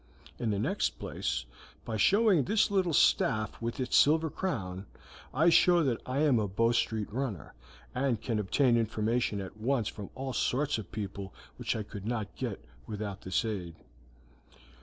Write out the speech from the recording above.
In the next place, by showing this little staff with its silver crown, I show that I am a Bow Street runner, and can obtain information at once from all sorts of people which I could not get without its aid."